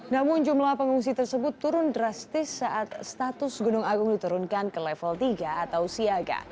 namun jumlah pengungsi tersebut turun drastis saat status gunung agung diturunkan ke level tiga atau siaga